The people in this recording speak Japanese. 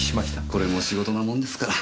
これも仕事なもんですから。